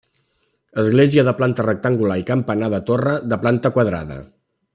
Església de planta rectangular i campanar de torre, de planta quadrada.